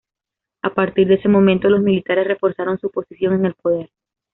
A partir de ese momento los militares reforzaron su posición en el poder.